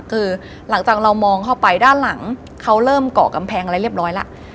คือหลังจากเรามองเข้าไปด้านหลังเขาเริ่มเกาะกำแพงอะไรเรียบร้อยแล้ว